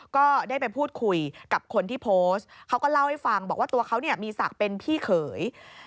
ก็ได้ไปพูดคุยกับคนที่โพสต์เขาก็เล่าให้ฟังบอกว่าตัวเขามีศักดิ์เป็นพี่เขย